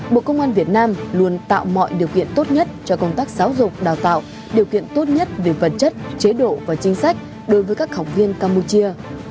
bộ công an việt nam luôn tạo mọi điều kiện tốt nhất cho công tác giáo dục đào tạo điều kiện tốt nhất về vật chất chế độ và chính sách đối với các học viên campuchia